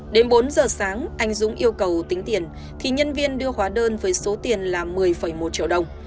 đến bốn giờ sáng anh dũng yêu cầu tính tiền thì nhân viên đưa hóa đơn với số tiền là một mươi một triệu đồng